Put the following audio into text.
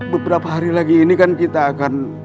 beberapa hari lagi ini kan kita akan